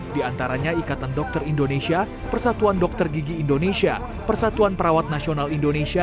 di antaranya ikatan dokter indonesia persatuan dokter gigi indonesia persatuan perawat nasional indonesia